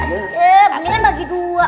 mungkin bagi dua